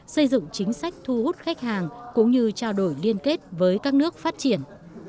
xây dựng chính sách thu hút khách hàng cũng như trao đổi liên kết với các nước phát triển